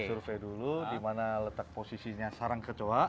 survei dulu di mana letak posisinya sarang kecoa